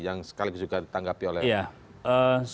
yang sekali juga ditanggapi oleh pak damai